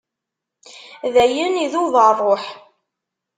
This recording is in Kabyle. Dayen idub rruḥ.